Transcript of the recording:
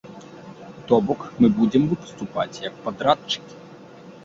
То бок мы будзем выступаць як падрадчыкі.